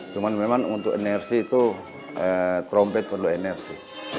cuma memang untuk inersi itu trompet perlu inersi